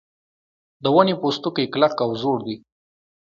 د ونې پوستکی کلک او زوړ دی.